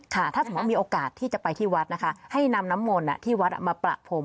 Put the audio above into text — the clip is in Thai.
ถ้าสมมุติมีโอกาสที่จะไปที่วัดนะคะให้นำน้ำมนต์ที่วัดมาประพรม